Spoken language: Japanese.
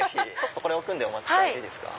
これ置くんでお待ちいただいていいですか。